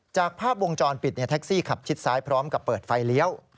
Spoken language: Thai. จากภาพวงจรปิดแท็กซี่ขับชิดซ้ายพร้อมกับเปิดไฟเลี้ยว